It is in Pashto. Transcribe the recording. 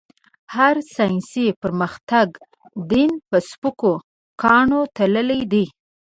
هر ساينسي پرمختګ؛ دين په سپکو کاڼو تللی دی.